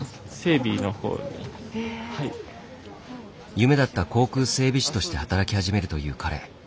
夢だった航空整備士として働き始めるという彼。